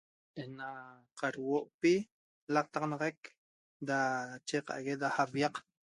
Ne'ena qadhuo'pi l'aqtaxanaxac da chegaqa'ague da aviaq